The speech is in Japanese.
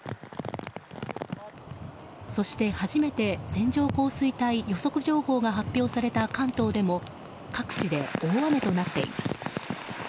そして、初めて線状降水帯予測情報が発表された関東でも各地で大雨となっています。